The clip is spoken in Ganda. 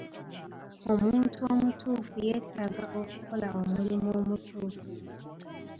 Omuntu omutuufu yeetaaga okukola omulimu omutuufu.